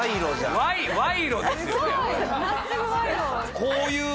すごい！